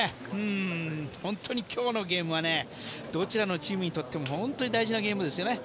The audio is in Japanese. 本当に今日のゲームはどちらのチームにとっても本当に大事なゲームですよね。